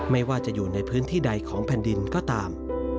ไม่ว่าจะอยู่ในพื้นที่ใดของแผ่นดินก็ตาม